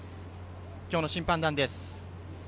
今日の審判団です。